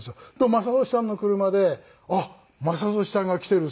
雅俊さんの車で「あっ！雅俊さんが来てる！」